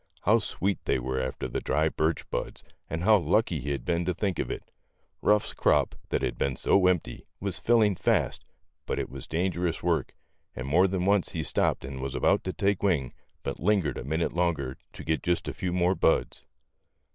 How sweet they were after the dry birch buds, and how lucky he had been to think of it. Ruff 's crop, that had been so empty, was filling fast, but it was dangerous work, and more than once he stopped and was about to take wing, but lin gered a minute longer to get just a few more buds.